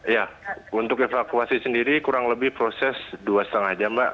ya untuk evakuasi sendiri kurang lebih proses dua lima jam mbak